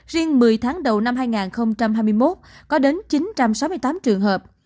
riêng một mươi tháng đầu năm hai nghìn hai mươi một có đến chín trăm sáu mươi tám trường hợp